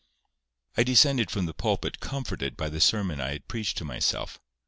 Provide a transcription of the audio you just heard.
I descended from the pulpit comforted by the sermon I had preached to myself.